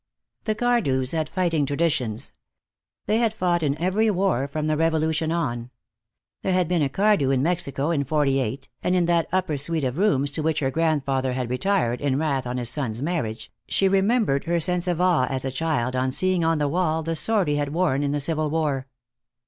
The Cardews had fighting traditions. They had fought in every war from the Revolution on. There had been a Cardew in Mexico in '48, and in that upper suite of rooms to which her grandfather had retired in wrath on his son's marriage, she remembered her sense of awe as a child on seeing on the wall the sword he had worn in the Civil War.